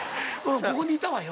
ここにいたわよ。